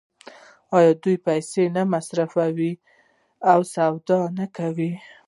آیا دوی پیسې نه مصرفوي او سودا نه کوي؟